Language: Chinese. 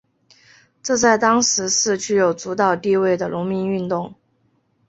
这在当时是具有主导地位的农民运动。